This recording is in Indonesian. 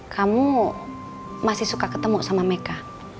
kamu masih suka ketemu sama meka